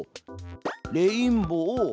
「レインボー」。